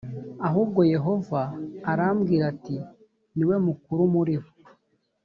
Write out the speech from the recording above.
ahubwo yehova arambwira ati niwe mukuru muribo.